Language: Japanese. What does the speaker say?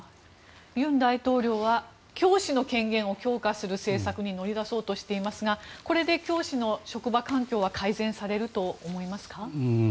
尹大統領は教師の権限を強化する政策に乗り出そうとしていますがこれで教師の職場環境は改善されると思いますか？